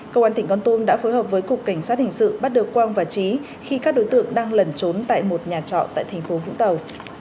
công an tỉnh con tum đã phối hợp với cục cảnh sát hình sự bắt được quang và trí khi các đối tượng đang lẩn trốn tại một nhà trọ tại thành phố vũng tàu